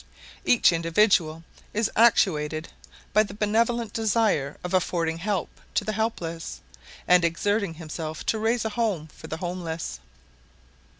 Each individual is actuated by the benevolent desire of affording help to the helpless, and exerting himself to raise a home for the homeless.